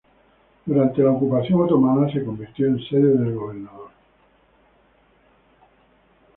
Durante la ocupación otomana, se convirtió en sede del Gobernador.